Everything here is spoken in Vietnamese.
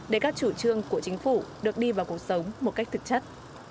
để các chủ trương của chính phủ được đi vào cuộc sống một cách thực chất